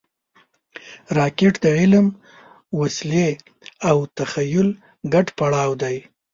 راکټ د علم، وسلې او تخیل ګډ پړاو دی